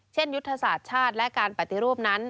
ยุทธศาสตร์ชาติและการปฏิรูปนั้น